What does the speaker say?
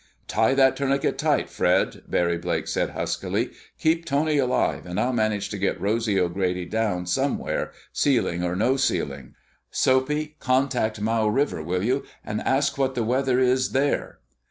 "Tie that tourniquet tight, Fred," Barry Blake said huskily. "Keep Tony alive, and I'll manage to set Rosy O'Grady down somewhere, ceiling or no ceiling.... Soapy! Contact Mau River, will you, and ask what the weather is there."